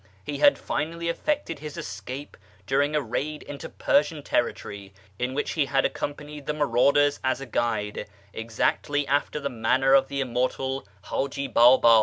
He had finally effected his escape luring a raid into Persian territory, in which he had accom ibanied the marauders as a guide, exactly after the manner of the mmortal Haji Baba.